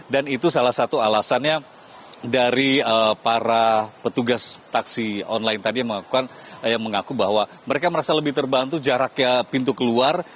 dan itu salah satu alasannya dari para petugas taksi online yang mengaku bahwa mereka merasa lebih terbantu jaraknya pintu keluar